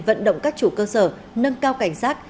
vận động các chủ cơ sở nâng cao cảnh sát